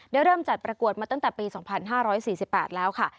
เริ่มจัดประกวดมาตั้งแต่ปี๒๕๔๘แล้วค่ะ